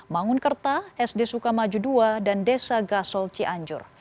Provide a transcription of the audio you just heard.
mangunkerta sd sukamaju ii dan desa gasol cianjur